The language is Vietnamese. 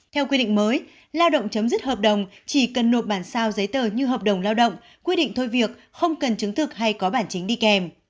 theo quy định mới lao động chấm dứt hợp đồng chỉ cần nộp bản sao giấy tờ như hợp đồng lao động quy định thôi việc không cần chứng thực hay có bản chính đi kèm